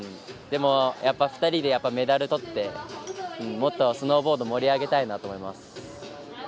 でも、２人でメダルとってもっとスノーボード盛り上げたいなと思います。